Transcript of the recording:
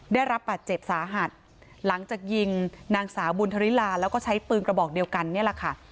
ได้รับบาดเจ็บสาหัสหลังจากยิงนางสาวบุญธริลาแล้วก็ใช้ปืนกระบอกเดียวกันนี่แหละค่ะ